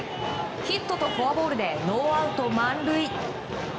ヒットとフォアボールでノーアウト満塁。